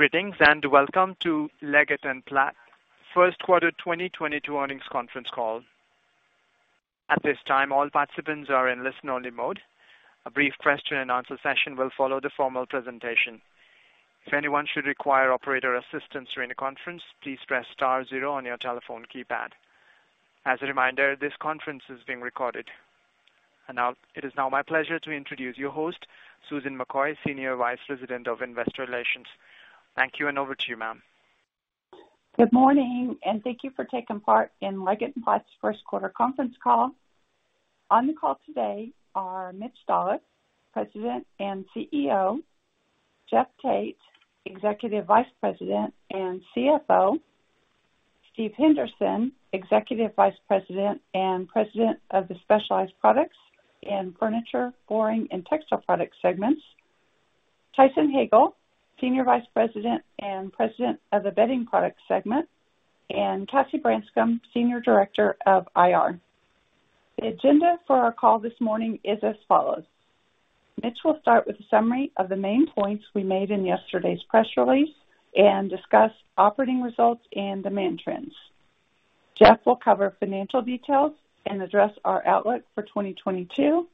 Greetings, and welcome to Leggett & Platt First Quarter 2022 Earnings Conference Call. At this time, all participants are in listen-only mode. A brief question and answer session will follow the formal presentation. If anyone should require operator assistance during the conference, please press star zero on your telephone keypad. As a reminder, this conference is being recorded. Now, it is now my pleasure to introduce your host, Susan McCoy, Senior Vice President of Investor Relations. Thank you, and over to you, ma'am. Good morning, and thank you for taking part in Leggett & Platt's first quarter conference call. On the call today are Mitch Dolloff, President and CEO, Jeff Tate, Executive Vice President and CFO, Steve Henderson, Executive Vice President and President of the Specialized Products and Furniture, Flooring & Textile Products segments, Tyson Hagale, Senior Vice President and President of the Bedding Products segment, and Cassie Branscum, Senior Director of IR. The agenda for our call this morning is as follows. Mitch will start with a summary of the main points we made in yesterday's press release and discuss operating results and demand trends. Jeff will cover financial details and address our outlook for 2022,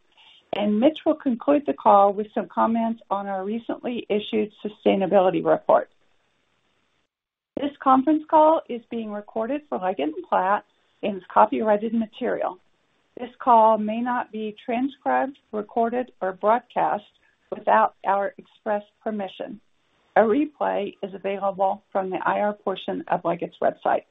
and Mitch will conclude the call with some comments on our recently issued sustainability report. This conference call is being recorded for Leggett & Platt and is copyrighted material. This call may not be transcribed, recorded, or broadcast without our express permission. A replay is available from the IR portion of Leggett & Platt's website.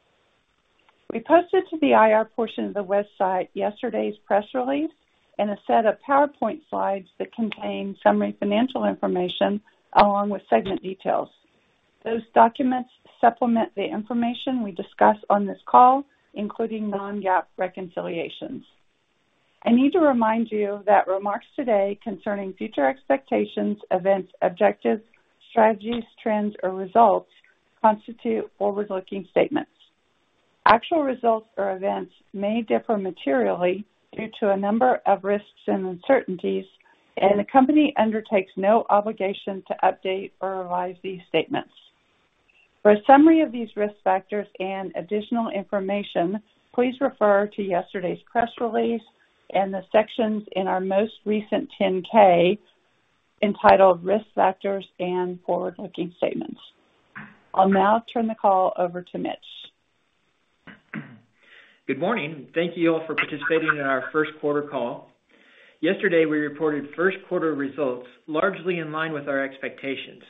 We posted to the IR portion of the website yesterday's press release and a set of PowerPoint slides that contain summary financial information along with segment details. Those documents supplement the information we discuss on this call, including non-GAAP reconciliations. I need to remind you that remarks today concerning future expectations, events, objectives, strategies, trends, or results constitute forward-looking statements. Actual results or events may differ materially due to a number of risks and uncertainties, and the company undertakes no obligation to update or revise these statements. For a summary of these risk factors and additional information, please refer to yesterday's press release and the sections in our most recent 10-K entitled Risk Factors and Forward-Looking Statements. I'll now turn the call over to Mitch. Good morning. Thank you all for participating in our first quarter call. Yesterday, we reported first quarter results largely in line with our expectations.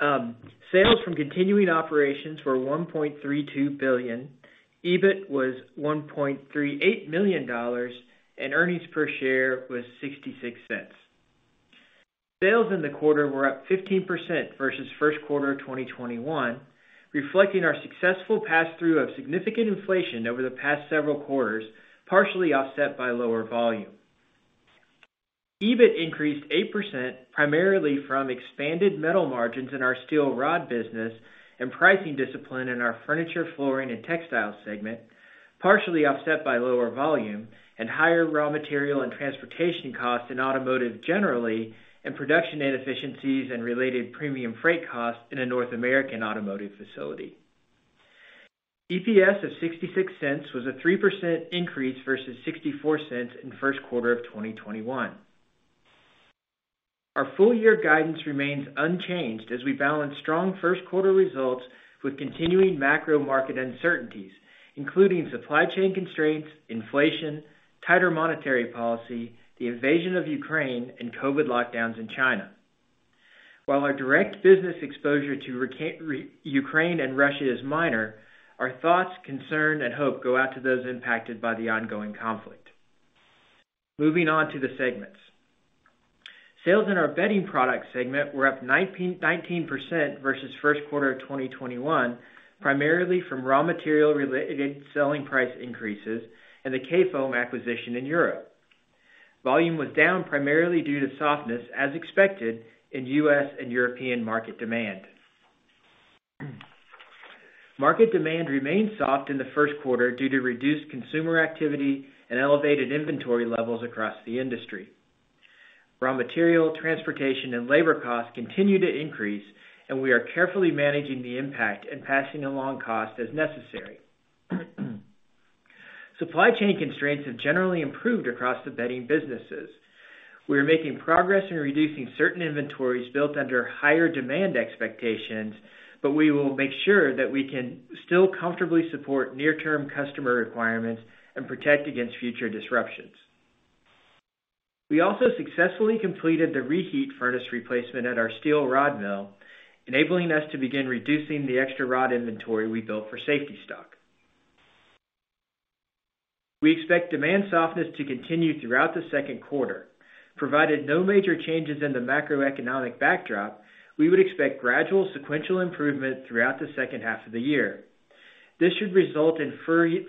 Sales from continuing operations were $1.32 billion, EBIT was $1.38 million, and earnings per share was $0.66. Sales in the quarter were up 15% versus first quarter of 2021, reflecting our successful pass-through of significant inflation over the past several quarters, partially offset by lower volume. EBIT increased 8%, primarily from expanded metal margins in our steel rod business and pricing discipline in our furniture, flooring, and textiles segment, partially offset by lower volume and higher raw material and transportation costs in automotive generally, and production inefficiencies and related premium freight costs in a North American automotive facility. EPS of $0.66 was a 3% increase versus $0.64 in the first quarter of 2021. Our full year guidance remains unchanged as we balance strong first quarter results with continuing macro market uncertainties, including supply chain constraints, inflation, tighter monetary policy, the invasion of Ukraine, and COVID lockdowns in China. While our direct business exposure to Ukraine and Russia is minor, our thoughts, concern, and hope go out to those impacted by the ongoing conflict. Moving on to the segments. Sales in our Bedding Products segment were up 19% versus first quarter of 2021, primarily from raw material related selling price increases in the Kayfoam acquisition in Europe. Volume was down primarily due to softness, as expected, in U.S. and European market demand. Market demand remained soft in the first quarter due to reduced consumer activity and elevated inventory levels across the industry. Raw material, transportation, and labor costs continue to increase, and we are carefully managing the impact and passing along costs as necessary. Supply chain constraints have generally improved across the bedding businesses. We are making progress in reducing certain inventories built under higher demand expectations, but we will make sure that we can still comfortably support near-term customer requirements and protect against future disruptions. We also successfully completed the reheat furnace replacement at our steel rod mill, enabling us to begin reducing the extra rod inventory we built for safety stock. We expect demand softness to continue throughout the second quarter. Provided no major changes in the macroeconomic backdrop, we would expect gradual sequential improvement throughout the second half of the year. This should result in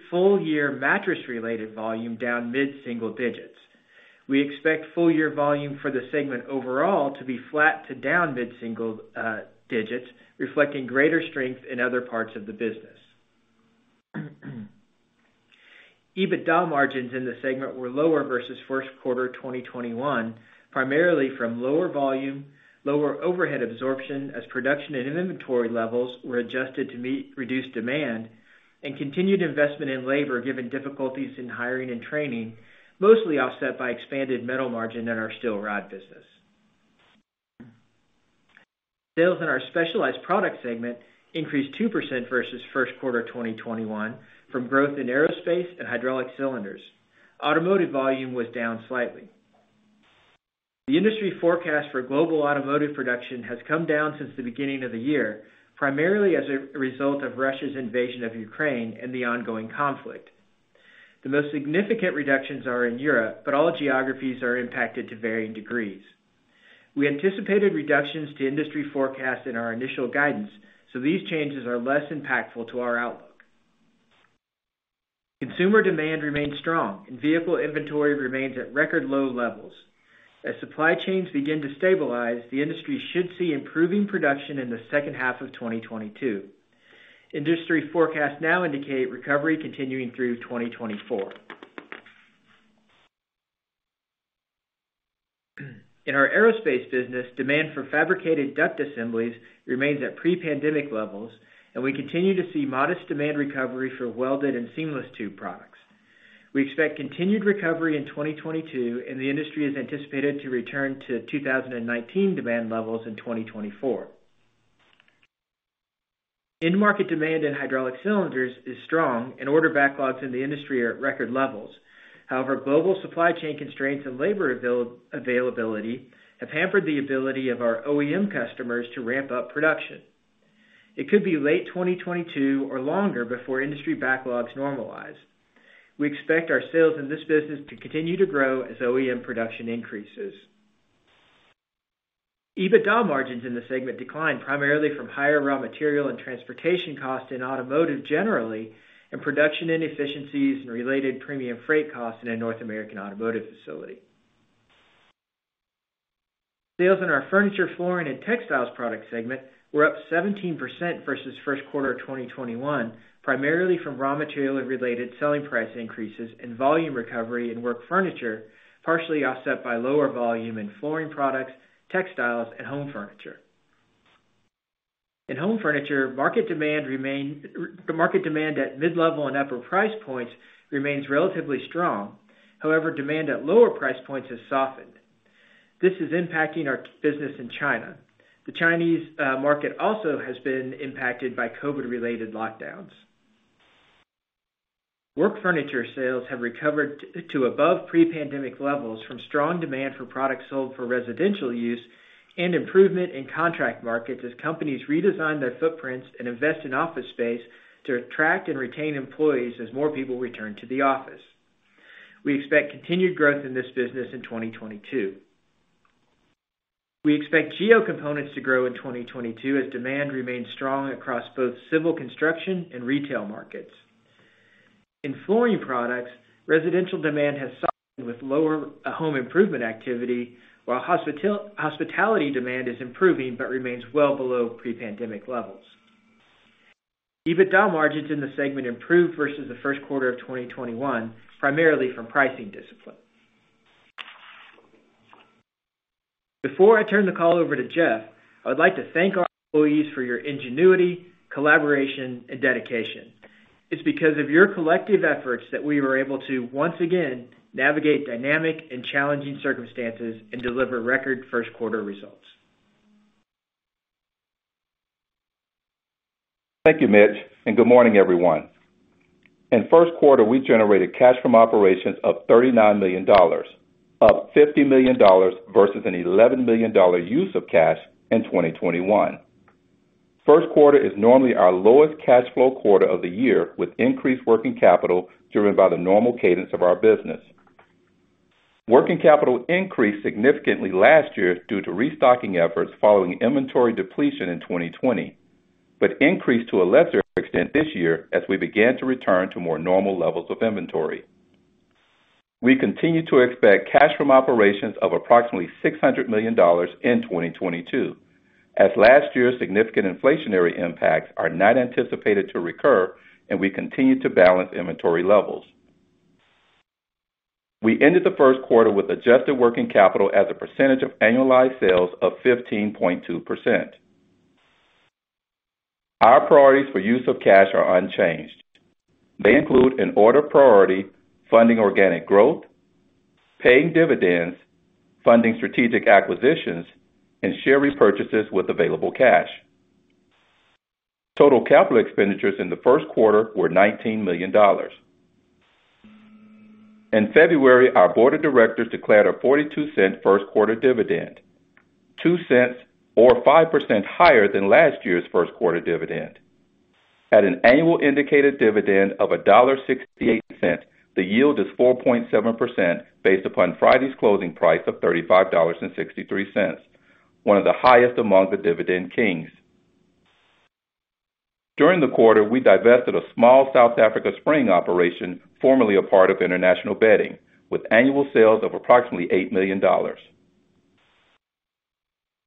full year mattress-related volume down mid-single digits. We expect full year volume for the segment overall to be flat to down mid-single digits, reflecting greater strength in other parts of the business. EBITDA margins in the segment were lower versus first quarter 2021, primarily from lower volume, lower overhead absorption as production and inventory levels were adjusted to meet reduced demand, and continued investment in labor given difficulties in hiring and training, mostly offset by expanded metal margin in our steel rod business. Sales in our Specialized Products segment increased 2% versus first quarter 2021 from growth in Aerospace and hydraulic cylinders. Automotive volume was down slightly. The industry forecast for global automotive production has come down since the beginning of the year, primarily as a result of Russia's invasion of Ukraine and the ongoing conflict. The most significant reductions are in Europe, but all geographies are impacted to varying degrees. We anticipated reductions to industry forecasts in our initial guidance, so these changes are less impactful to our outlook. Consumer demand remains strong and vehicle inventory remains at record low levels. As supply chains begin to stabilize, the industry should see improving production in the second half of 2022. Industry forecasts now indicate recovery continuing through 2024. In our aerospace business, demand for fabricated duct assemblies remains at pre-pandemic levels, and we continue to see modest demand recovery for welded and seamless tube products. We expect continued recovery in 2022, and the industry is anticipated to return to 2019 demand levels in 2024. End market demand in hydraulic cylinders is strong, and order backlogs in the industry are at record levels. However, global supply chain constraints and labor availability have hampered the ability of our OEM customers to ramp up production. It could be late 2022 or longer before industry backlogs normalize. We expect our sales in this business to continue to grow as OEM production increases. EBITDA margins in the segment declined primarily from higher raw material and transportation costs in automotive generally, and production inefficiencies and related premium freight costs in a North American automotive facility. Sales in our Furniture, Flooring & Textile Products segment were up 17% versus first quarter of 2021, primarily from raw material and related selling price increases and volume recovery in work furniture, partially offset by lower volume in flooring products, textiles, and home furniture. In home furniture, market demand at mid-level and upper price points remains relatively strong. However, demand at lower price points has softened. This is impacting our business in China. The Chinese market also has been impacted by COVID-related lockdowns. Work furniture sales have recovered to above pre-pandemic levels from strong demand for products sold for residential use and improvement in contract markets as companies redesign their footprints and invest in office space to attract and retain employees as more people return to the office. We expect continued growth in this business in 2022. We expect Geo Components to grow in 2022 as demand remains strong across both civil construction and retail markets. In flooring products, residential demand has softened with lower home improvement activity, while hospitality demand is improving, but remains well below pre-pandemic levels. EBITDA margins in the segment improved versus the first quarter of 2021, primarily from pricing discipline. Before I turn the call over to Jeff, I would like to thank our employees for your ingenuity, collaboration, and dedication. It's because of your collective efforts that we were able to once again navigate dynamic and challenging circumstances and deliver record first quarter results. Thank you, Mitch, and good morning, everyone. In first quarter, we generated cash from operations of $39 million, up $50 million versus an $11 million use of cash in 2021. First quarter is normally our lowest cash flow quarter of the year, with increased working capital driven by the normal cadence of our business. Working capital increased significantly last year due to restocking efforts following inventory depletion in 2020, but increased to a lesser extent this year as we began to return to more normal levels of inventory. We continue to expect cash from operations of approximately $600 million in 2022, as last year's significant inflationary impacts are not anticipated to recur, and we continue to balance inventory levels. We ended the first quarter with adjusted working capital as a percentage of annualized sales of 15.2%. Our priorities for use of cash are unchanged. They include in order of priority, funding organic growth, paying dividends, funding strategic acquisitions, and share repurchases with available cash. Total capital expenditures in the first quarter were $19 million. In February, our board of directors declared a $0.42 first quarter dividend, $0.02 or 5% higher than last year's first quarter dividend. At an annual indicated dividend of $1.68, the yield is 4.7% based upon Friday's closing price of $35.63, one of the highest among the Dividend Kings. During the quarter, we divested a small South African spring operation, formerly a part of International Bedding, with annual sales of approximately $8 million.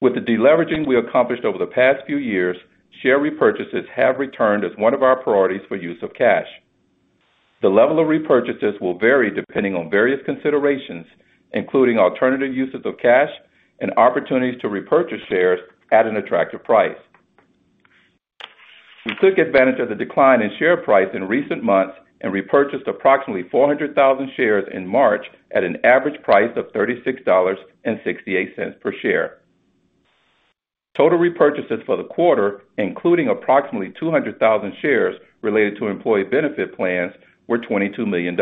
With the deleveraging we accomplished over the past few years, share repurchases have returned as one of our priorities for use of cash. The level of repurchases will vary depending on various considerations, including alternative uses of cash and opportunities to repurchase shares at an attractive price. We took advantage of the decline in share price in recent months and repurchased approximately 400,000 shares in March at an average price of $36.68 per share. Total repurchases for the quarter, including approximately 200,000 shares related to employee benefit plans, were $22 million.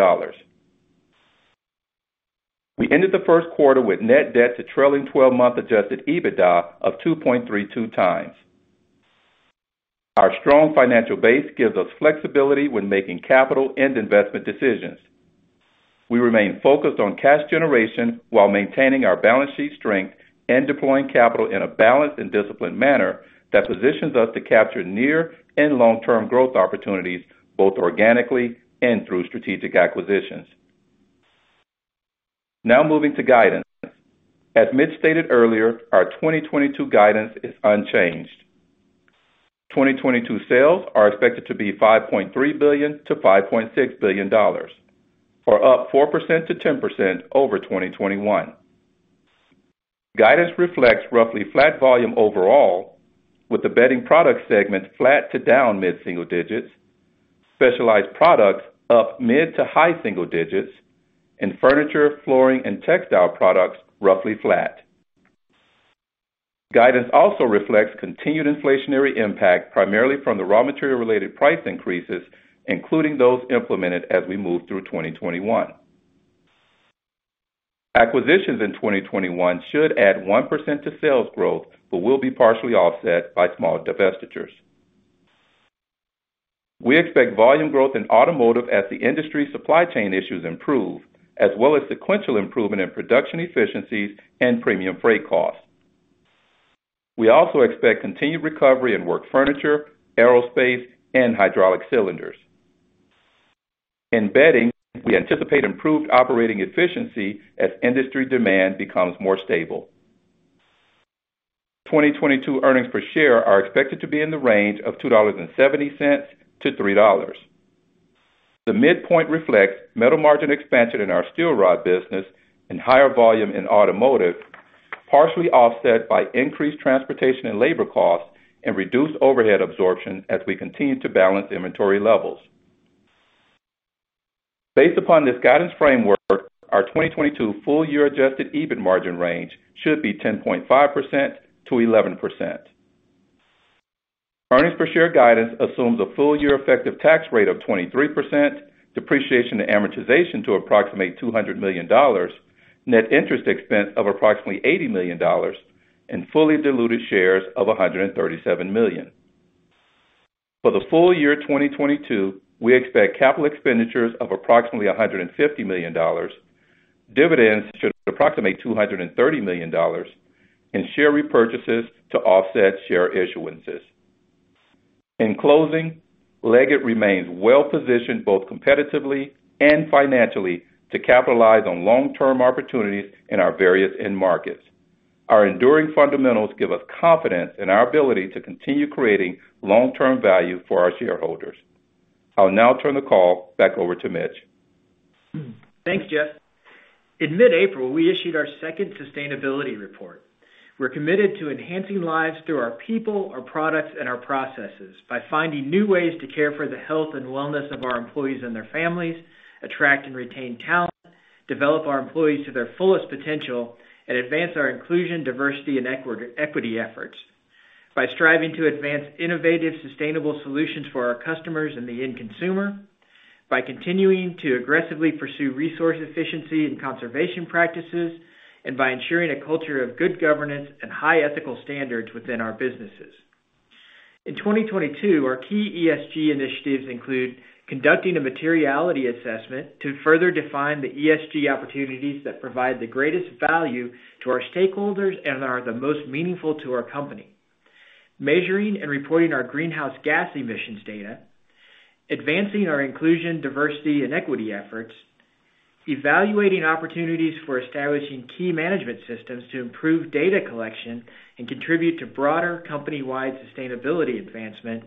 We ended the first quarter with net debt to trailing twelve-month adjusted EBITDA of 2.32x. Our strong financial base gives us flexibility when making capital and investment decisions. We remain focused on cash generation while maintaining our balance sheet strength and deploying capital in a balanced and disciplined manner that positions us to capture near and long-term growth opportunities, both organically and through strategic acquisitions. Now moving to guidance. As Mitch stated earlier, our 2022 guidance is unchanged. 2022 sales are expected to be $5.3 billion-$5.6 billion, or up 4%-10% over 2021. Guidance reflects roughly flat volume overall, with the Bedding Products segment flat to down mid-single digits, Specialized Products up mid- to high-single digits, and Furniture, Flooring & Textile Products roughly flat. Guidance also reflects continued inflationary impact, primarily from the raw material related price increases, including those implemented as we move through 2021. Acquisitions in 2021 should add 1% to sales growth, but will be partially offset by small divestitures. We expect volume growth in Automotive as the industry supply chain issues improve, as well as sequential improvement in production efficiencies and premium freight costs. We also expect continued recovery in work furniture, aerospace, and hydraulic cylinders. In Bedding, we anticipate improved operating efficiency as industry demand becomes more stable. 2022 earnings per share are expected to be in the range of $2.70-$3.00. The midpoint reflects metal margin expansion in our steel rod business and higher volume in Automotive, partially offset by increased transportation and labor costs and reduced overhead absorption as we continue to balance inventory levels. Based upon this guidance framework, our 2022 full year adjusted EBIT margin range should be 10.5%-11%. Earnings per share guidance assumes a full year effective tax rate of 23%, depreciation and amortization to approximate $200 million, net interest expense of approximately $80 million, and fully diluted shares of 137 million. For the full year 2022, we expect capital expenditures of approximately $150 million. Dividends should approximate $230 million, and share repurchases to offset share issuances. In closing, Leggett remains well-positioned both competitively and financially to capitalize on long-term opportunities in our various end markets. Our enduring fundamentals give us confidence in our ability to continue creating long-term value for our shareholders. I'll now turn the call back over to Mitch. Thanks, Jeff. In mid-April, we issued our second sustainability report. We're committed to enhancing lives through our people, our products, and our processes by finding new ways to care for the health and wellness of our employees and their families, attract and retain talent, develop our employees to their fullest potential, and advance our inclusion, diversity, and equity efforts. By striving to advance innovative, sustainable solutions for our customers and the end consumer, by continuing to aggressively pursue resource efficiency and conservation practices, and by ensuring a culture of good governance and high ethical standards within our businesses. In 2022, our key ESG initiatives include conducting a materiality assessment to further define the ESG opportunities that provide the greatest value to our stakeholders and are the most meaningful to our company. Measuring and reporting our greenhouse gas emissions data, advancing our inclusion, diversity, and equity efforts, evaluating opportunities for establishing key management systems to improve data collection and contribute to broader company-wide sustainability advancement,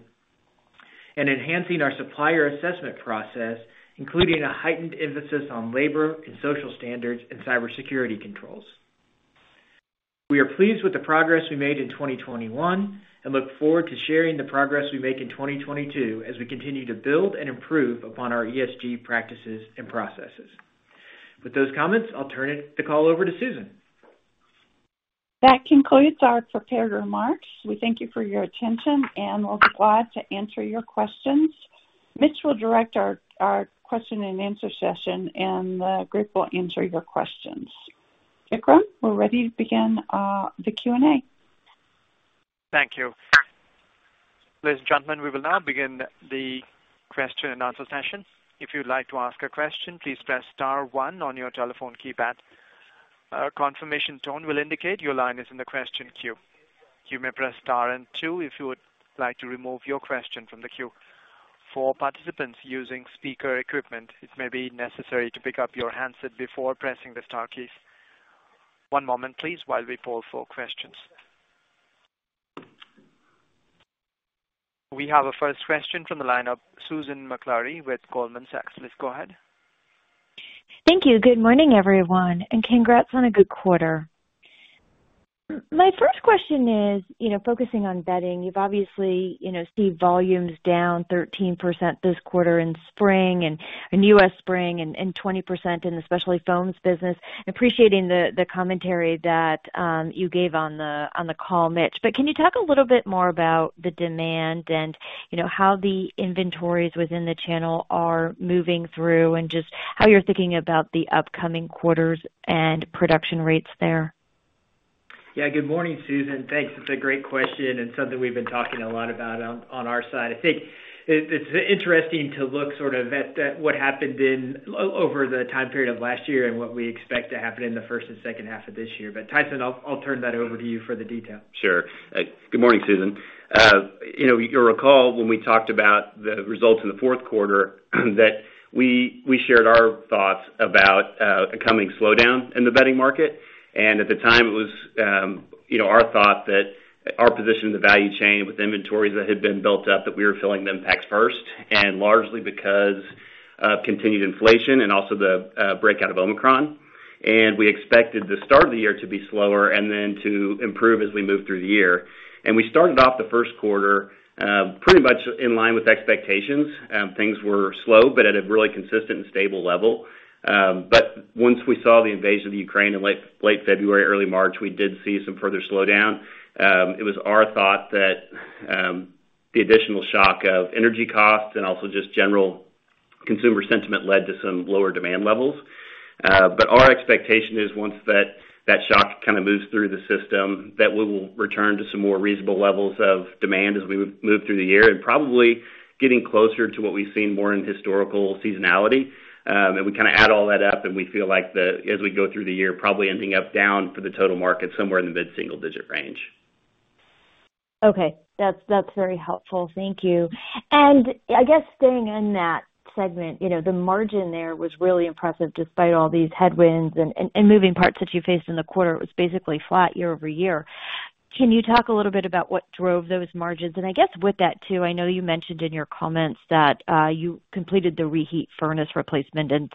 and enhancing our supplier assessment process, including a heightened emphasis on labor and social standards and cybersecurity controls. We are pleased with the progress we made in 2021 and look forward to sharing the progress we make in 2022 as we continue to build and improve upon our ESG practices and processes. With those comments, I'll turn the call over to Susan. That concludes our prepared remarks. We thank you for your attention, and we'll be glad to answer your questions. Mitch will direct our question and answer session, and the group will answer your questions. Vikram, we're ready to begin the Q&A. Thank you. Ladies and gentlemen, we will now begin the question and answer session. If you'd like to ask a question, please press star one on your telephone keypad. A confirmation tone will indicate your line is in the question queue. You may press star and two if you would like to remove your question from the queue. For participants using speaker equipment, it may be necessary to pick up your handset before pressing the star key. One moment, please, while we poll for questions. We have a first question from the line of Susan Maklari with Goldman Sachs. Please go ahead. Thank you. Good morning, everyone, and congrats on a good quarter. My first question is, you know, focusing on bedding, you've obviously, you know, seen volumes down 13% this quarter in spring and U.S. Spring and 20% in the specialty foams business. Appreciating the commentary that you gave on the call, Mitch. Can you talk a little bit more about the demand and, you know, how the inventories within the channel are moving through and just how you're thinking about the upcoming quarters and production rates there? Yeah. Good morning, Susan. Thanks. It's a great question and something we've been talking a lot about on our side. I think it's interesting to look sort of at what happened over the time period of last year and what we expect to happen in the first and H2 of this year. Tyson, I'll turn that over to you for the details. Sure. Good morning, Susan. You know, you'll recall when we talked about the results in the fourth quarter that we shared our thoughts about a coming slowdown in the bedding market. At the time, it was, you know, our thought that our position in the value chain with inventories that had been built up, that we were filling them packs first, and largely because of continued inflation and also the breakout of Omicron. We expected the start of the year to be slower and then to improve as we move through the year. We started off the first quarter pretty much in line with expectations. Things were slow, but at a really consistent and stable level. But once we saw the invasion of Ukraine in late February, early March, we did see some further slowdown. It was our thought that the additional shock of energy costs and also just general consumer sentiment led to some lower demand levels. Our expectation is once that shock kind of moves through the system, that we will return to some more reasonable levels of demand as we move through the year, and probably getting closer to what we've seen more in historical seasonality. We kind of add all that up, and we feel like as we go through the year, probably ending up down for the total market somewhere in the mid-single-digit range. Okay. That's very helpful. Thank you. I guess staying in that segment, you know, the margin there was really impressive despite all these headwinds and moving parts that you faced in the quarter. It was basically flat year over year. Can you talk a little bit about what drove those margins? I guess with that, too, I know you mentioned in your comments that you completed the reheat furnace replacement. You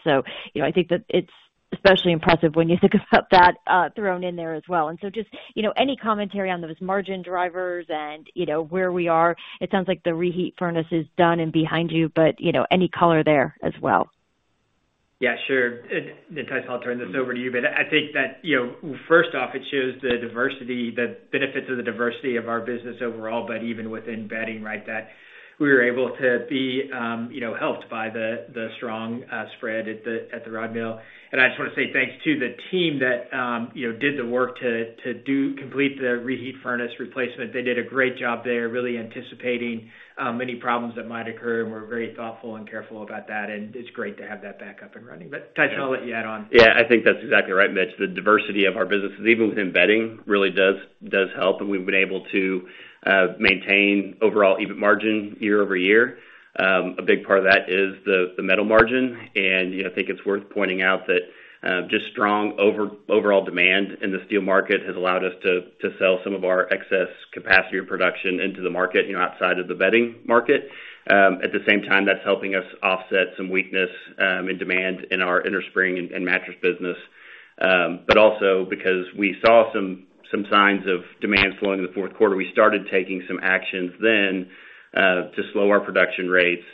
know, I think that it's especially impressive when you think about that thrown in there as well. Just, you know, any commentary on those margin drivers and, you know, where we are. It sounds like the reheat furnace is done and behind you, but you know, any color there as well. Yeah, sure. Tyson, I'll turn this over to you. I think that, you know, first off, it shows the diversity, the benefits of the diversity of our business overall, but even within bedding, right? That we were able to be, you know, helped by the strong spread at the rod mill. I just wanna say thanks to the team that, you know, did the work to complete the reheat furnace replacement. They did a great job there, really anticipating any problems that might occur, and were very thoughtful and careful about that, and it's great to have that back up and running. Tyson, I'll let you add on. Yeah, I think that's exactly right, Mitch. The diversity of our businesses, even within bedding, really does help, and we've been able to maintain overall EBIT margin year over year. A big part of that is the metal margin. You know, I think it's worth pointing out that just strong overall demand in the steel market has allowed us to sell some of our excess capacity production into the market, you know, outside of the bedding market. At the same time, that's helping us offset some weakness in demand in our innerspring and mattress business. Also because we saw some signs of demand slowing in the fourth quarter, we started taking some actions then to slow our production rates.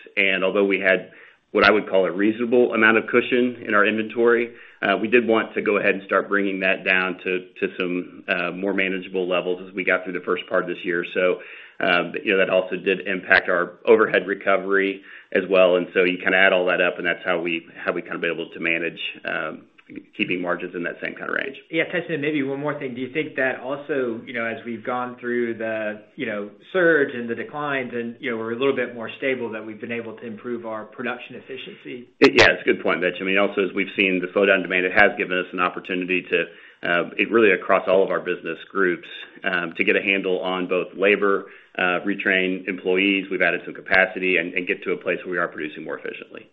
Although we had what I would call a reasonable amount of cushion in our inventory, we did want to go ahead and start bringing that down to some more manageable levels as we got through the first part of this year. You know, that also did impact our overhead recovery as well. You kind of add all that up, and that's how we've kind of been able to manage keeping margins in that same kind of range. Yeah. Tyson, maybe one more thing. Do you think that also, you know, as we've gone through the, you know, surge and the declines and, you know, we're a little bit more stable, that we've been able to improve our production efficiency? Yeah, it's a good point, Mitch. I mean, also, as we've seen the slowdown in demand, it has given us an opportunity to really across all of our business groups to get a handle on both labor, retrain employees, we've added some capacity, and get to a place where we are producing more efficiently.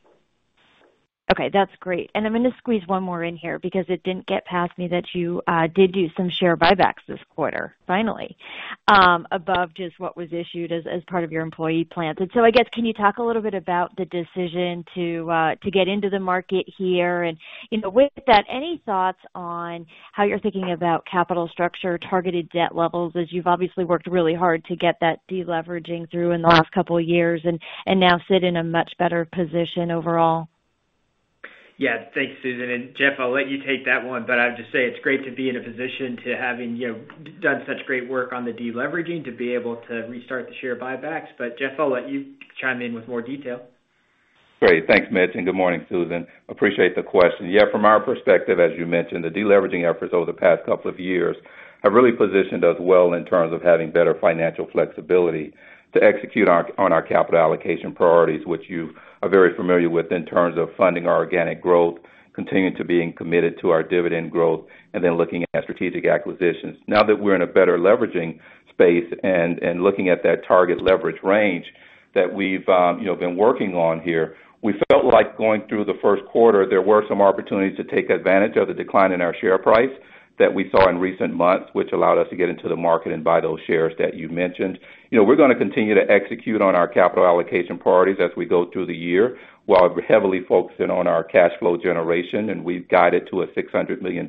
Okay, that's great. I'm gonna squeeze one more in here because it didn't get past me that you did do some share buybacks this quarter, finally, above just what was issued as part of your employee plans. I guess, can you talk a little bit about the decision to get into the market here? You know, with that, any thoughts on how you're thinking about capital structure, targeted debt levels, as you've obviously worked really hard to get that deleveraging through in the last couple of years and now sit in a much better position overall? Yeah. Thanks, Susan. Jeff, I'll let you take that one, but I'll just say it's great to be in a position to having, you know, done such great work on the deleveraging to be able to restart the share buybacks. Jeff, I'll let you chime in with more detail. Great. Thanks, Mitch, and good morning, Susan. Appreciate the question. Yeah, from our perspective, as you mentioned, the deleveraging efforts over the past couple of years have really positioned us well in terms of having better financial flexibility to execute on our capital allocation priorities, which you are very familiar with in terms of funding our organic growth, continuing to being committed to our dividend growth, and then looking at strategic acquisitions. Now that we're in a better leveraging space and looking at that target leverage range that we've you know been working on here, we felt like going through the first quarter, there were some opportunities to take advantage of the decline in our share price that we saw in recent months, which allowed us to get into the market and buy those shares that you mentioned. You know, we're gonna continue to execute on our capital allocation priorities as we go through the year, while heavily focusing on our cash flow generation, and we've guided to a $600 million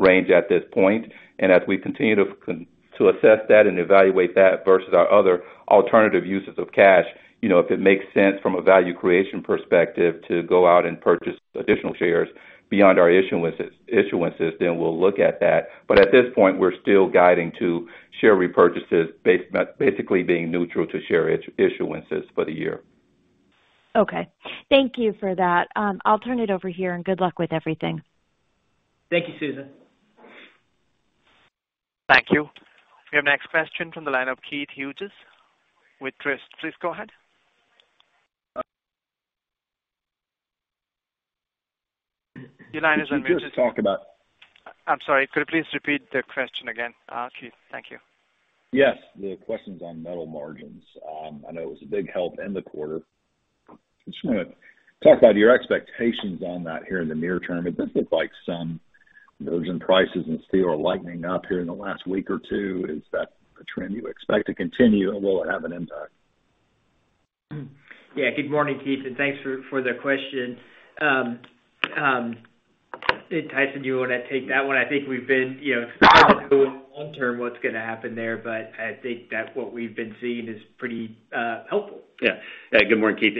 range at this point. As we continue to assess that and evaluate that versus our other alternative uses of cash, you know, if it makes sense from a value creation perspective to go out and purchase additional shares beyond our issuances, then we'll look at that. At this point, we're still guiding to share repurchases basically being neutral to share issuances for the year. Okay. Thank you for that. I'll turn it over here, and good luck with everything. Thank you, Susan. Thank you. We have next question from the line of Keith Hughes with Truist. Please go ahead. Your line is unmuted. Could you just talk about? I'm sorry. Could you please repeat the question again, Keith? Thank you. Yes. The question's on metal margins. I know it was a big help in the quarter. I just wanna talk about your expectations on that here in the near term. It does look like some of those input prices in steel are lightening up here in the last week or two. Is that a trend you expect to continue, and will it have an impact? Yeah. Good morning, Keith, and thanks for the question. Hey, Tyson, do you wanna take that one? I think we've been, you know, long term what's gonna happen there, but I think that what we've been seeing is pretty helpful. Yeah. Good morning, Keith.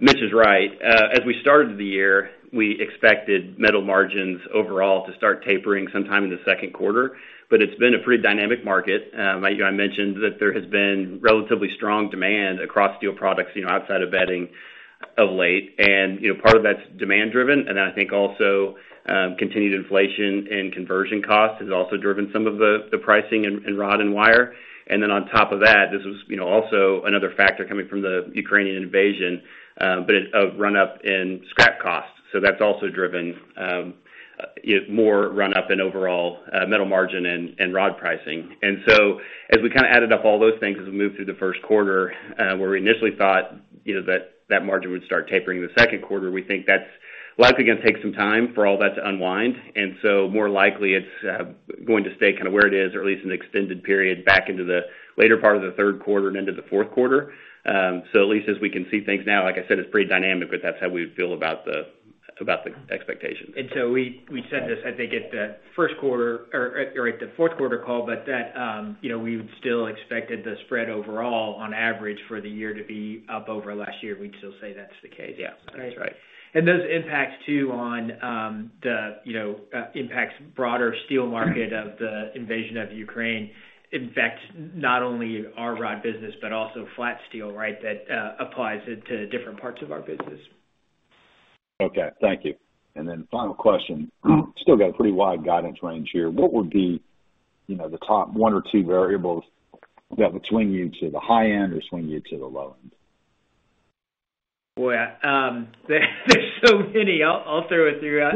Mitch is right. As we started the year, we expected metal margins overall to start tapering sometime in the second quarter. It's been a pretty dynamic market. You know, I mentioned that there has been relatively strong demand across steel products, you know, outside of bedding of late. You know, part of that's demand driven, and then I think also continued inflation and conversion costs has also driven some of the pricing in rod and wire. Then on top of that, this was you know also another factor coming from the Ukrainian invasion, but a run up in scrap costs. That's also driven you know more run up in overall metal margin and rod pricing. As we kind of added up all those things as we moved through the first quarter, where we initially thought, you know, that margin would start tapering in the second quarter, we think that's likely gonna take some time for all that to unwind. More likely it's going to stay kind of where it is or at least an extended period back into the later part of the third quarter and into the fourth quarter. At least as we can see things now, like I said, it's pretty dynamic, but that's how we feel about the expectations. We said this, I think at the first quarter or at the fourth quarter call, but that, you know, we still expected the spread overall on average for the year to be up over last year. We'd still say that's the case. Yeah, that's right. Those impacts too on the, you know, broader steel market of the invasion of Ukraine affects not only our rod business, but also flat steel, right? That applies it to different parts of our business. Okay. Thank you. Final question. Still got a pretty wide guidance range here. What would be, you know, the top one or two variables that would swing you to the high end or swing you to the low end? Boy, there's so many. I'll throw it to you.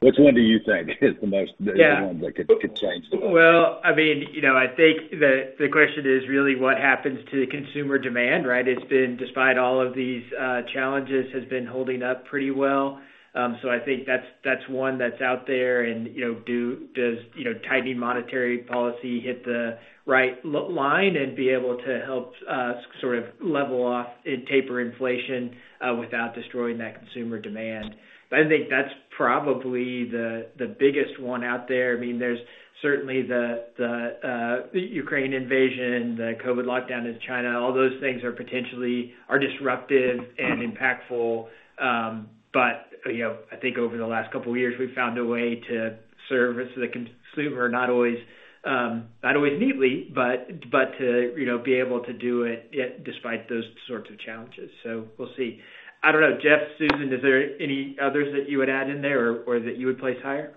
Which one do you think is the most? Yeah. the one that could change? Well, I mean, you know, I think the question is really what happens to the consumer demand, right? It's been, despite all of these, challenges, has been holding up pretty well. I think that's one that's out there and, you know, does, you know, tightening monetary policy hit the right line and be able to help sort of level off and taper inflation without destroying that consumer demand. I think that's probably the biggest one out there. I mean, there's certainly the Ukraine invasion, the COVID lockdown in China, all those things are potentially disruptive and impactful. You know, I think over the last couple of years, we've found a way to service the consumer not always neatly, but to, you know, be able to do it despite those sorts of challenges. We'll see. I don't know. Jeff, Susan, is there any others that you would add in there or that you would place higher?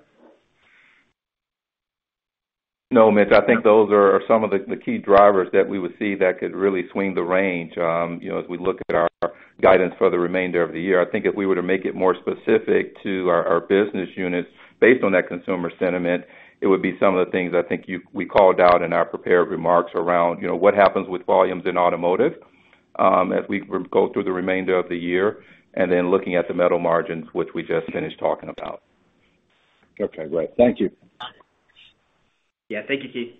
No, Mitch, I think those are some of the key drivers that we would see that could really swing the range. You know, as we look at our guidance for the remainder of the year, I think if we were to make it more specific to our business units based on that consumer sentiment, it would be some of the things I think we called out in our prepared remarks around, you know, what happens with volumes in automotive, as we go through the remainder of the year, and then looking at the metal margins, which we just finished talking about. Okay, great. Thank you. Yeah. Thank you, Keith.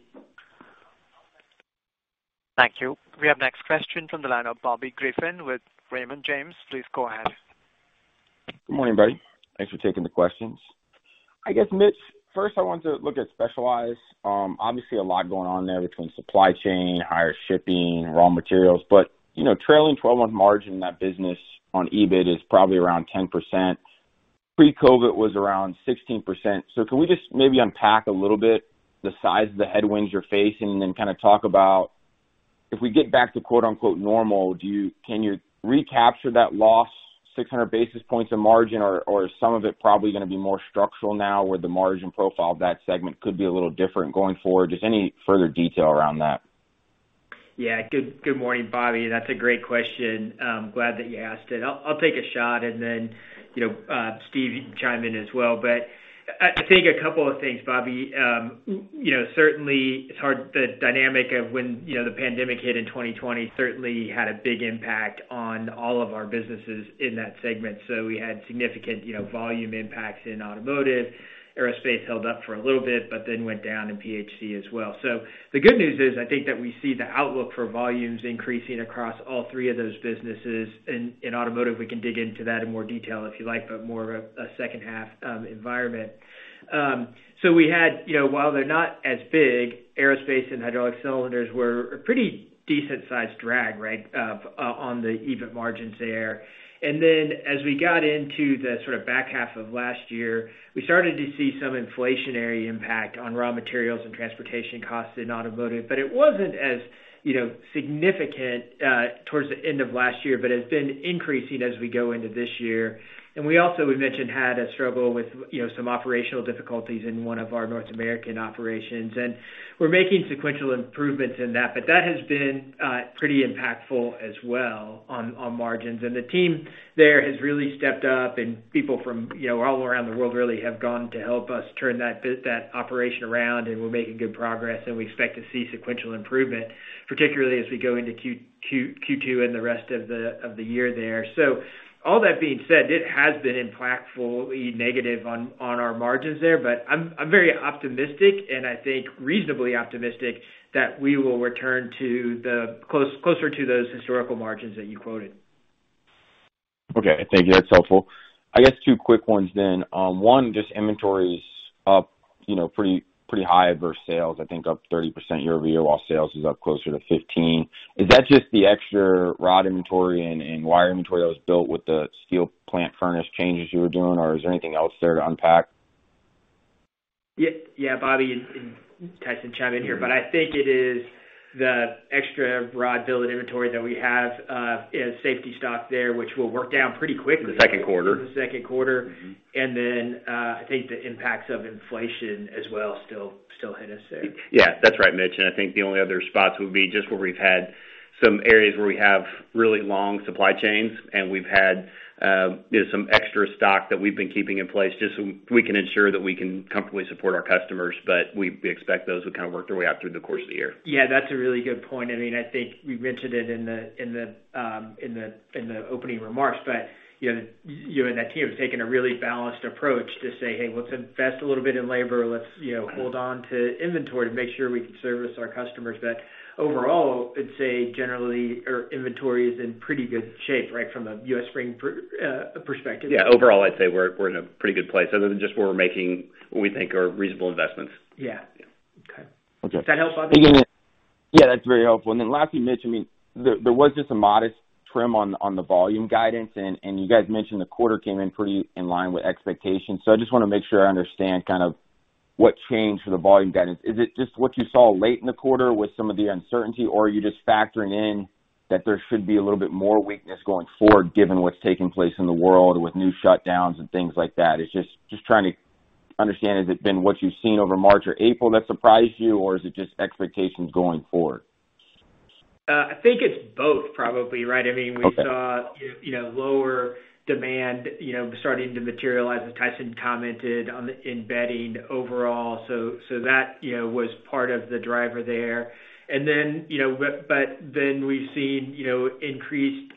Thank you. We have next question from the line of Bobby Griffin with Raymond James. Please go ahead. Good morning, everybody. Thanks for taking the questions. I guess, Mitch, first, I want to look at Specialized. Obviously a lot going on there between supply chain, higher shipping, raw materials. You know, trailing twelve-month margin in that business on EBIT is probably around 10%. Pre-COVID was around 16%. Can we just maybe unpack a little bit the size of the headwinds you're facing, and then kind of talk about if we get back to quote-unquote normal, can you recapture that lost 600 basis points of margin, or is some of it probably gonna be more structural now, where the margin profile of that segment could be a little different going forward? Just any further detail around that. Good morning, Bobby. That's a great question. Glad that you asked it. I'll take a shot and then, you know, Steve, you can chime in as well. I think a couple of things, Bobby. You know, certainly it's hard. The dynamic of when, you know, the pandemic hit in 2020 certainly had a big impact on all of our businesses in that segment. We had significant, you know, volume impacts in automotive. Aerospace held up for a little bit, but then went down in PHC as well. The good news is, I think that we see the outlook for volumes increasing across all three of those businesses. In automotive, we can dig into that in more detail if you like, but more of a second half environment. We had, you know, while they're not as big, aerospace and hydraulic cylinders were a pretty decent sized drag, right, on the EBIT margins there. Then as we got into the sort of back half of last year, we started to see some inflationary impact on raw materials and transportation costs in automotive, but it wasn't as, you know, significant, towards the end of last year, but has been increasing as we go into this year. We also, we mentioned, had a struggle with, you know, some operational difficulties in one of our North American operations. We're making sequential improvements in that, but that has been, pretty impactful as well on margins. The team there has really stepped up and people from, you know, all around the world really have gone to help us turn that operation around, and we're making good progress, and we expect to see sequential improvement, particularly as we go into Q2 and the rest of the year there. All that being said, it has been impactfully negative on our margins there, but I'm very optimistic and I think reasonably optimistic that we will return to closer to those historical margins that you quoted. Okay. Thank you. That's helpful. I guess two quick ones. One, just inventories up, you know, pretty high versus sales. I think up 30% year-over-year while sales is up closer to 15%. Is that just the extra rod inventory and wire inventory that was built with the steel plant furnace changes you were doing, or is there anything else there to unpack? Yeah. Yeah, Bobby, and Tyson chime in here. Mm-hmm. I think it is the extra rod bill of inventory that we have, as safety stock there, which we'll work down pretty quickly. The second quarter in the second quarter. Mm-hmm. I think the impacts of inflation as well still hit us there. Yeah. That's right, Mitch. I think the only other spots would be just where we've had some areas where we have really long supply chains and we've had, you know, some extra stock that we've been keeping in place just so we can ensure that we can comfortably support our customers. We expect those would kind of work their way out through the course of the year. Yeah, that's a really good point. I mean, I think we mentioned it in the opening remarks, but you know, you and that team have taken a really balanced approach to say, "Hey, let's invest a little bit in labor. Let's, you know, hold on to inventory to make sure we can service our customers." Overall, I'd say generally our inventory is in pretty good shape, right, from a U.S. Spring perspective. Yeah. Overall, I'd say we're in a pretty good place other than just where we're making what we think are reasonable investments. Yeah. Yeah. Okay. Okay. Does that help, Bobby? Yeah, that's very helpful. Then lastly, Mitch, I mean, there was just a modest trim on the volume guidance and you guys mentioned the quarter came in pretty in line with expectations. I just wanna make sure I understand kind of what changed for the volume guidance. Is it just what you saw late in the quarter with some of the uncertainty, or are you just factoring in that there should be a little bit more weakness going forward given what's taking place in the world with new shutdowns and things like that? It's just trying to understand, has it been what you've seen over March or April that surprised you, or is it just expectations going forward? I think it's both probably, right? Okay. I mean, we saw, you know, lower demand, you know, starting to materialize, as Tyson commented on the Bedding overall. That, you know, was part of the driver there. Then, you know, but then we've seen, you know, increased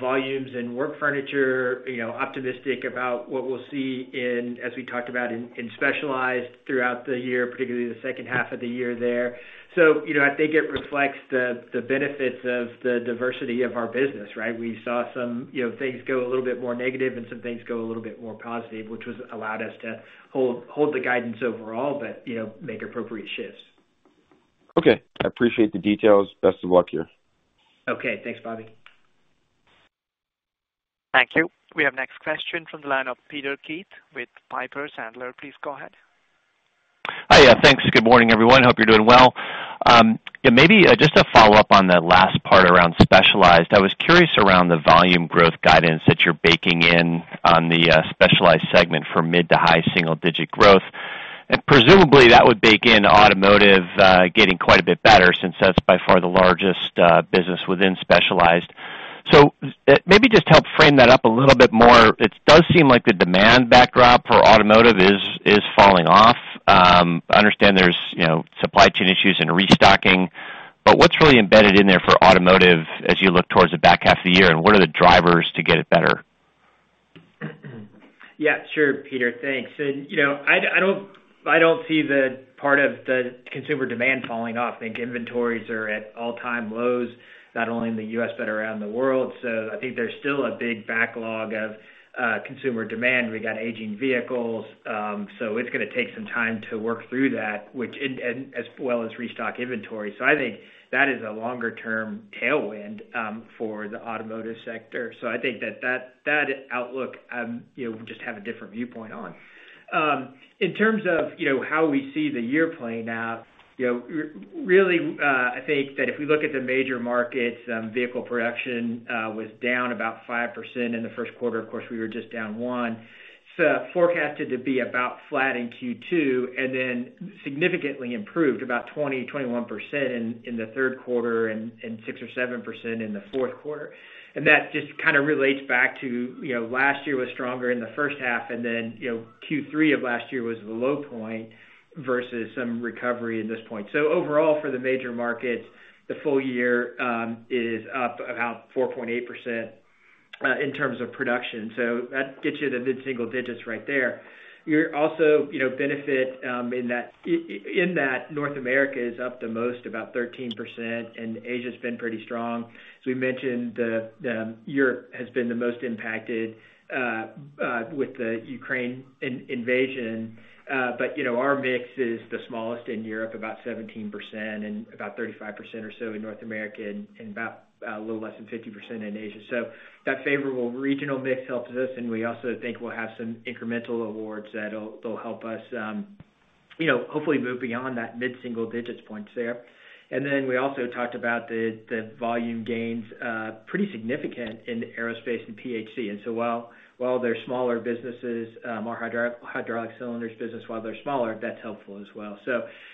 volumes in work furniture, you know, optimistic about what we'll see in, as we talked about in Specialized throughout the year, particularly the second half of the year there. You know, I think it reflects the benefits of the diversity of our business, right? We saw some, you know, things go a little bit more negative and some things go a little bit more positive, which has allowed us to hold the guidance overall, but, you know, make appropriate shifts. Okay. I appreciate the details. Best of luck to you. Okay. Thanks, Bobby. Thank you. We have next question from the line of Peter Keith with Piper Sandler. Please go ahead. Hi. Yeah, thanks. Good morning, everyone. Hope you're doing well. Maybe just a follow-up on the last part around Specialized. I was curious around the volume growth guidance that you're baking in on the Specialized segment for mid- to high-single-digit growth. Presumably that would bake in automotive getting quite a bit better since that's by far the largest business within Specialized. Maybe just help frame that up a little bit more. It does seem like the demand backdrop for automotive is falling off. I understand there's you know supply chain issues and restocking, but what's really embedded in there for automotive as you look towards the back half of the year, and what are the drivers to get it better? Yeah, sure, Peter. Thanks. You know, I don't see the part of the consumer demand falling off. I think inventories are at all-time lows, not only in the U.S., but around the world. I think there's still a big backlog of consumer demand. We got aging vehicles, so it's gonna take some time to work through that, and as well as restock inventory. I think that is a longer-term tailwind for the automotive sector. I think that outlook, you know, we just have a different viewpoint on. In terms of, you know, how we see the year playing out, you know, really, I think that if we look at the major markets, vehicle production was down about 5% in the first quarter. Of course, we were just down 1%. Forecasted to be about flat in Q2, and then significantly improved about 20%-21% in the third quarter and 6% or 7% in the fourth quarter. That just kind of relates back to, you know, last year was stronger in the first half, and then, you know, Q3 of last year was the low point versus some recovery at this point. Overall, for the major markets, the full year is up about 4.8% in terms of production. That gets you to the mid-single digits right there. You're also, you know, benefiting in that North America is up the most, about 13%, and Asia has been pretty strong. As we mentioned, Europe has been the most impacted with the Ukraine invasion. You know, our mix is the smallest in Europe, about 17% and about 35% or so in North America and a little less than 50% in Asia. That favorable regional mix helps us, and we also think we'll have some incremental awards. They'll help us, you know, hopefully move beyond that mid-single digits points there. We also talked about the volume gains, pretty significant in aerospace and PHC. While they're smaller businesses, our Hydraulic Cylinders business, while they're smaller, that's helpful as well.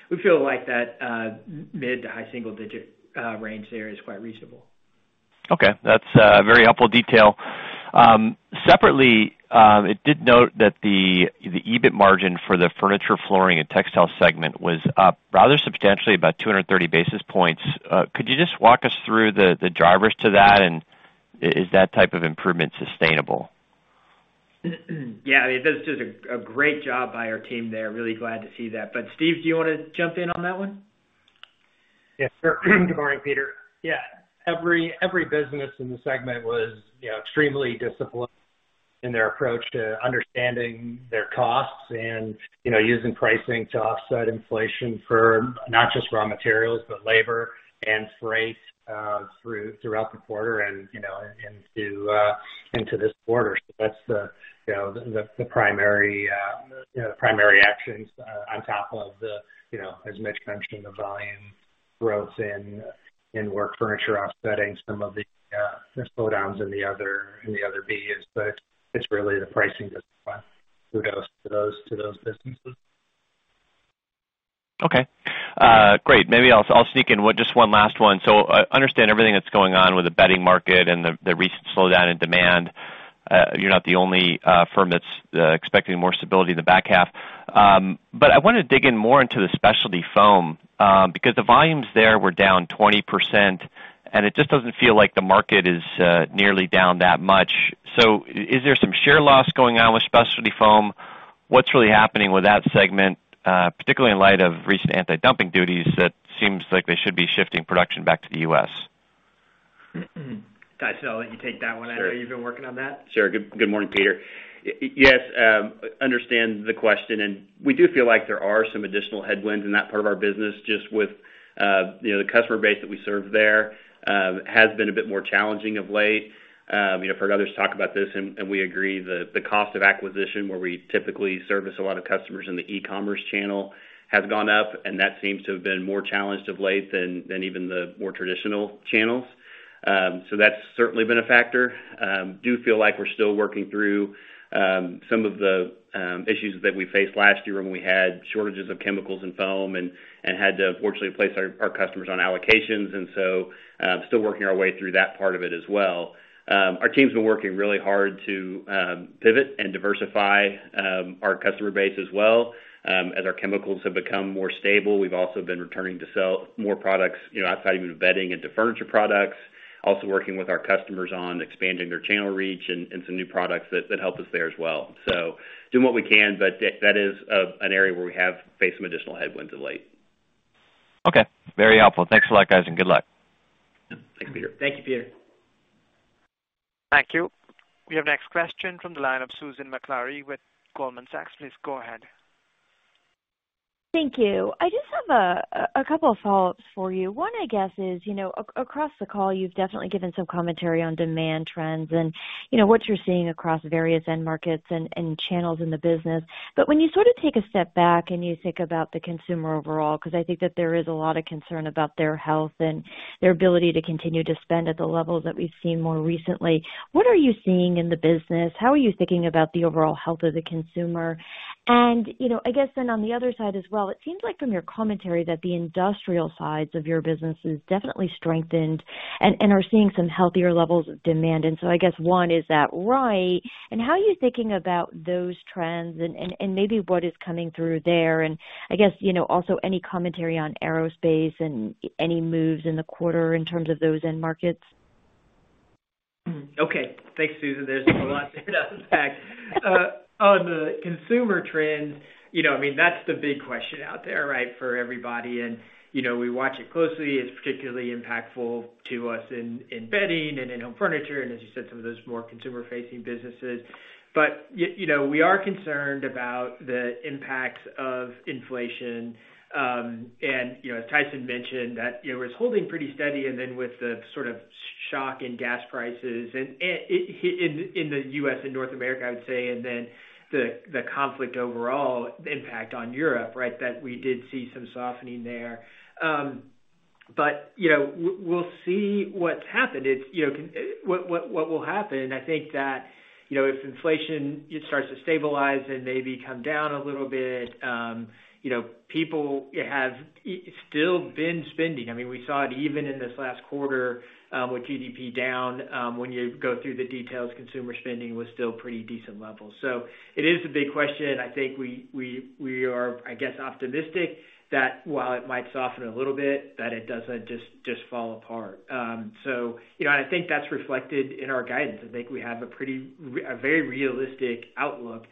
We feel like that mid- to high-single-digit range there is quite reasonable. Okay. That's very helpful detail. Separately, it did note that the EBIT margin for the Furniture, Flooring & Textile Products segment was up rather substantially, about 230 basis points. Could you just walk us through the drivers to that? Is that type of improvement sustainable? Yeah. That's just a great job by our team there. Really glad to see that. Steve, do you wanna jump in on that one? Yes, sure. Good morning, Peter. Every business in the segment was, you know, extremely disciplined in their approach to understanding their costs and, you know, using pricing to offset inflation for not just raw materials, but labor and freight, throughout the quarter and, you know, into this quarter. That's the primary actions on top of the, you know, as Mitch mentioned, the volume growth in work furniture offsetting some of the slowdowns in the other Bs. It's really the pricing discipline kudos to those businesses. Okay. Great. Maybe I'll sneak in one, just one last one. I understand everything that's going on with the bedding market and the recent slowdown in demand. You're not the only firm that's expecting more stability in the back half. I wanna dig in more into the specialty foam, because the volumes there were down 20%, and it just doesn't feel like the market is nearly down that much. Is there some share loss going on with specialty foam? What's really happening with that segment, particularly in light of recent anti-dumping duties that seems like they should be shifting production back to the U.S.? Guys, I'll let you take that one. Sure. I know you've been working on that. Sure. Good morning, Peter. Yes, understand the question, and we do feel like there are some additional headwinds in that part of our business just with you know, the customer base that we serve there has been a bit more challenging of late. You know, I've heard others talk about this, and we agree the cost of acquisition where we typically service a lot of customers in the e-commerce channel has gone up, and that seems to have been more challenged of late than even the more traditional channels. That's certainly been a factor. Do feel like we're still working through some of the issues that we faced last year when we had shortages of chemicals and foam and had to unfortunately place our customers on allocations. Still working our way through that part of it as well. Our team's been working really hard to pivot and diversify our customer base as well. As our chemicals have become more stable, we've also been returning to sell more products, you know, outside even bedding into furniture products. Also working with our customers on expanding their channel reach and some new products that help us there as well. Doing what we can, but that is an area where we have faced some additional headwinds of late. Okay. Very helpful. Thanks a lot, guys, and good luck. Thanks, Peter. Thank you, Peter. Thank you. We have next question from the line of Susan Maklari with Goldman Sachs. Please go ahead. Thank you. I just have a couple of follow-ups for you. One, I guess is, you know, across the call, you've definitely given some commentary on demand trends and, you know, what you're seeing across various end markets and channels in the business. When you sort of take a step back and you think about the consumer overall, 'cause I think that there is a lot of concern about their health and their ability to continue to spend at the levels that we've seen more recently, what are you seeing in the business? How are you thinking about the overall health of the consumer? I guess then on the other side as well, it seems like from your commentary that the industrial sides of your business has definitely strengthened and are seeing some healthier levels of demand. I guess, one, is that right? How are you thinking about those trends and maybe what is coming through there? I guess, you know, also any commentary on aerospace and any moves in the quarter in terms of those end markets? Okay. Thanks, Susan. There's a lot there to unpack. On the consumer trends, you know, I mean, that's the big question out there, right, for everybody. You know, we watch it closely. It's particularly impactful to us in bedding and in-home furniture and as you said, some of those more consumer-facing businesses. You know, we are concerned about the impacts of inflation. You know, Tyson mentioned that it was holding pretty steady and then with the sort of shock in gas prices and it hit in the U.S. and North America, I would say, and then the conflict overall impact on Europe, right? That we did see some softening there. You know, we'll see what's happened. What will happen, I think that, you know, if inflation starts to stabilize and maybe come down a little bit, you know, people have still been spending. I mean, we saw it even in this last quarter, with GDP down, when you go through the details, consumer spending was still pretty decent levels. It is a big question. I think we are, I guess, optimistic that while it might soften a little bit, that it doesn't just fall apart. You know, I think that's reflected in our guidance. I think we have a pretty a very realistic outlook,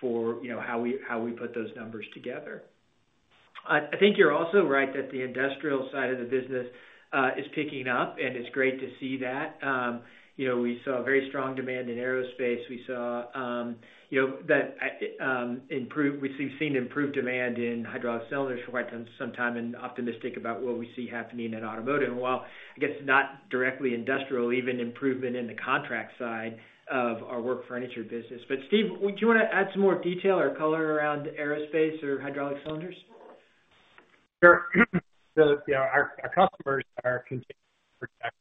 for, you know, how we put those numbers together. I think you're also right that the industrial side of the business is picking up, and it's great to see that. You know, we saw very strong demand in aerospace. We saw, you know, that improve. We've seen improved demand in Hydraulic Cylinders for quite some time and optimistic about what we see happening in automotive. While, I guess, not directly industrial, even improvement in the contract side of our work furniture business. Steve, would you wanna add some more detail or color around aerospace or Hydraulic Cylinders? Sure. You know, our customers are continuing to project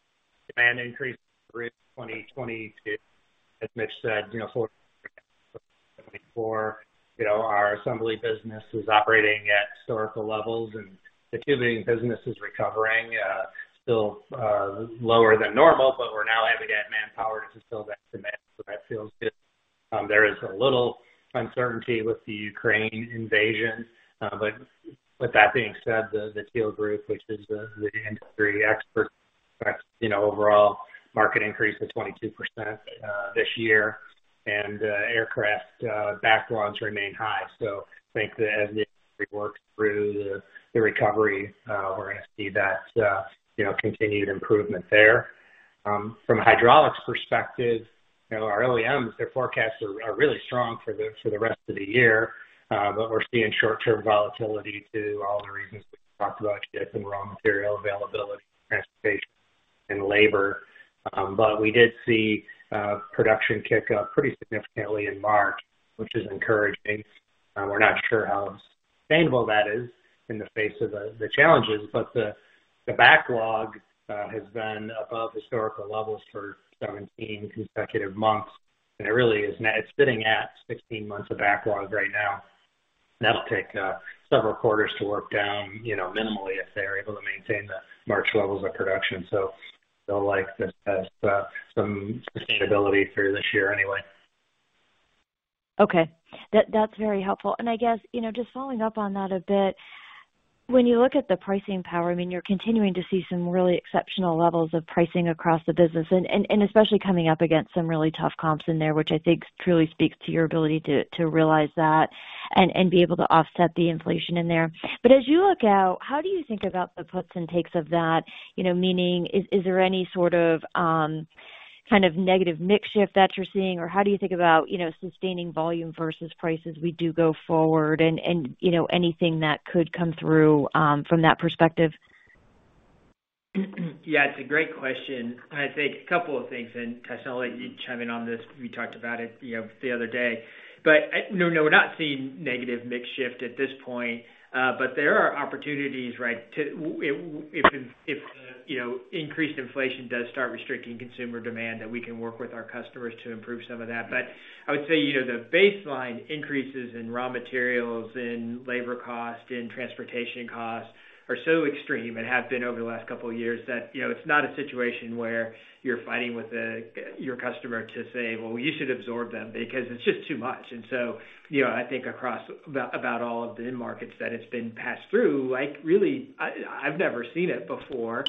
demand increase through 2022. As Mitch said, you know, for our assembly business was operating at historical levels, and the tubing business is recovering, still lower than normal, but we're now adding that manpower to fill that demand, so that feels good. There is a little uncertainty with the Ukraine invasion. But with that being said, the Teal Group, which is the industry expert, you know, overall market increase of 22% this year. Aircraft backlogs remain high. I think that as we work through the recovery, we're gonna see that, you know, continued improvement there. From a hydraulics perspective, you know, our OEMs, their forecasts are really strong for the rest of the year, but we're seeing short-term volatility due to all the reasons we've talked about today, some raw material availability, transportation, and labor. We did see production kick up pretty significantly in March, which is encouraging. We're not sure how sustainable that is in the face of the challenges, but the backlog has been above historical levels for 17 consecutive months. It really is sitting at 16 months of backlog right now. That'll take several quarters to work down, you know, minimally if they're able to maintain the March levels of production. They'll likely see this as some sustainability through this year anyway. Okay. That's very helpful. I guess, you know, just following up on that a bit, when you look at the pricing power, I mean, you're continuing to see some really exceptional levels of pricing across the business and especially coming up against some really tough comps in there, which I think truly speaks to your ability to realize that and be able to offset the inflation in there. As you look out, how do you think about the puts and takes of that? You know, meaning is there any sort of kind of negative mix shift that you're seeing? Or how do you think about, you know, sustaining volume versus prices we do go forward and you know, anything that could come through from that perspective? Yeah, it's a great question. I think a couple of things, and Tyson, I'll let you chime in on this. We talked about it, you know, the other day. No, we're not seeing negative mix shift at this point, but there are opportunities, right? If, you know, increased inflation does start restricting consumer demand, that we can work with our customers to improve some of that. I would say, you know, the baseline increases in raw materials, in labor cost, in transportation costs are so extreme and have been over the last couple of years that, you know, it's not a situation where you're fighting with your customer to say, "Well, you should absorb them," because it's just too much. You know, I think across about all of the end markets that it's been passed through, like really, I've never seen it before,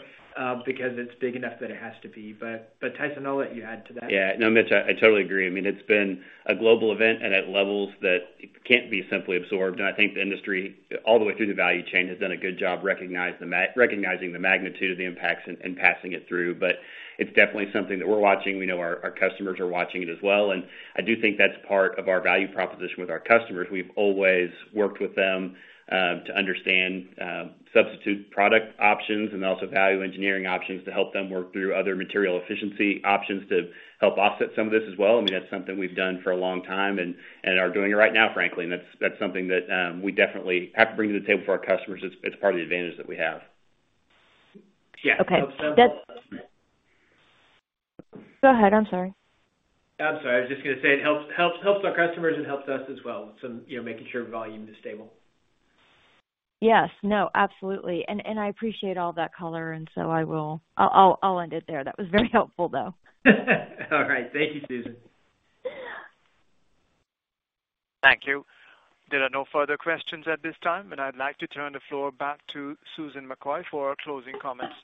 because it's big enough that it has to be. But Tyson, I'll let you add to that. Yeah. No, Mitch, I totally agree. I mean, it's been a global event and at levels that it can't be simply absorbed. I think the industry all the way through the value chain has done a good job recognizing the magnitude of the impacts and passing it through. It's definitely something that we're watching. We know our customers are watching it as well, and I do think that's part of our value proposition with our customers. We've always worked with them to understand substitute product options and also value engineering options to help them work through other material efficiency options to help offset some of this as well. I mean, that's something we've done for a long time and are doing it right now, frankly. That's something that we definitely have to bring to the table for our customers. It's part of the advantage that we have. Yeah. Okay. Helps them. Go ahead. I'm sorry. I'm sorry. I was just gonna say it helps our customers and helps us as well. You know, making sure volume is stable. Yes. No, absolutely. I appreciate all that color, and so I'll end it there. That was very helpful, though. All right. Thank you, Susan. Thank you. There are no further questions at this time, and I'd like to turn the floor back to Susan McCoy for our closing comments.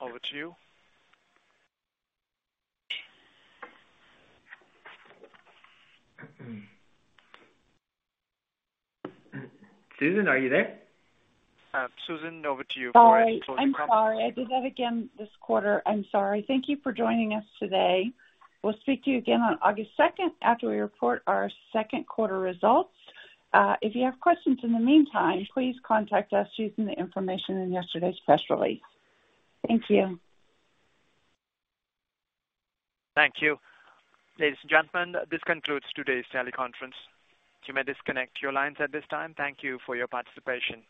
Over to you. Susan, are you there? Susan, over to you for any closing comments. I'm sorry. I did that again this quarter. Thank you for joining us today. We'll speak to you again on August second after we report our second quarter results. If you have questions in the meantime, please contact us using the information in yesterday's press release. Thank you. Thank you. Ladies and gentlemen, this concludes today's teleconference. You may disconnect your lines at this time. Thank you for your participation.